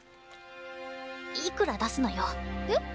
いくら出すのよ。え？